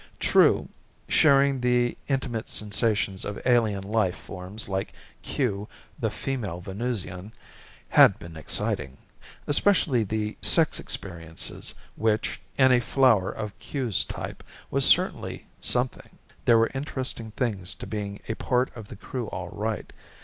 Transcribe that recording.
True, sharing the intimate sensations of alien life forms like Kew, the female Venusian, had been exciting. Especially the sex experiences which, in a flower of Kew's type, was certainly something. There were interesting things to being a part of the Crew all right.